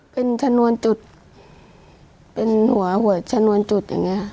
เป็นชนวนจุดเป็นหัวหัวชนวนจุดอย่างนี้